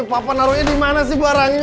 papa naruhnya di mana sih barangnya